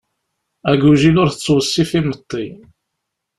Agujil ur t-ttweṣṣi ɣef imeṭṭi.